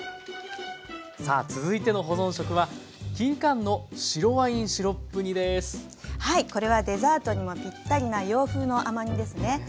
さあ続いての保存食ははいこれはデザートにもぴったりな洋風の甘煮ですね。